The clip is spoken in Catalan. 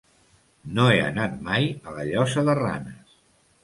No he anat mai a la Llosa de Ranes.